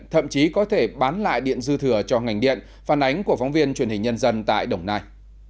thậm chí có thể bán lại điện dư thừa cho ngành điện phản ánh của phóng viên truyền hình nhân dân tại đồng nai